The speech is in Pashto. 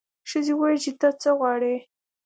ښځې وویل چې ته څه غواړې.